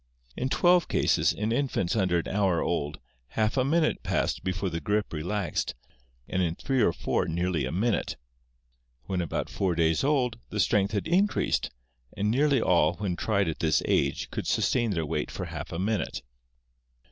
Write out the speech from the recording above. In twelve cases, in infants under an hour old, half a minute passed before the grip relaxed, and in three or four nearly a minute. When about four days old ... the strength had increased, and nearly all when tried at this age could the Evolution of man 667 sustain their weight for half a minute.